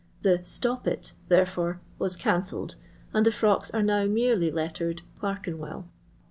The "Stop it!" therefore was can celled, and the frocks arc now merely lettered " Clerkuwell."